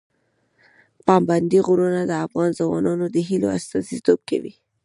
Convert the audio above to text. پابندي غرونه د افغان ځوانانو د هیلو استازیتوب کوي.